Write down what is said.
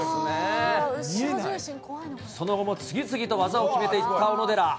その後も次々に技を決めていった小野寺。